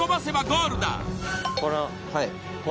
はい。